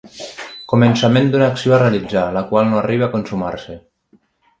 Començament d'una acció a realitzar, la qual no arriba a consumar-se.